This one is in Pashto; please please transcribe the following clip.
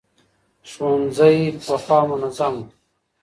ښوونځي پخوا منظم وو.